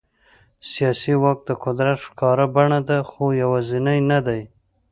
سیاسي واک د قدرت ښکاره بڼه ده، خو یوازینی نه دی.